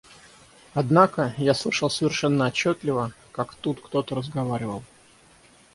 Однако, я слышал совершенно отчетливо, как тут кто-то разговаривал.